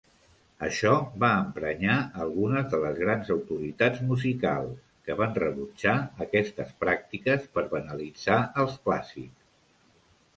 Això va emprenyar algunes de les grans autoritats musicals, que van rebutjar aquestes pràctiques per banalitzar els clàssics.